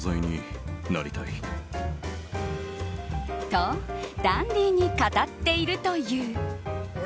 と、ダンディーに語っているという。